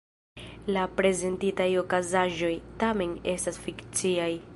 La prezentitaj okazaĵoj, tamen, estas fikciaj.